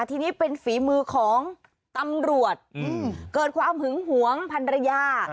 ทีนี้เป็นฝีมือของตำรวจเกิดความหึงหวงพันรยา